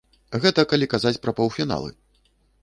Гэта калі казаць пра паўфіналы.